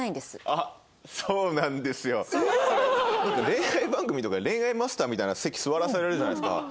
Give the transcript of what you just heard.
恋愛番組とかで恋愛マスターみたいな席座らせられるじゃないですか。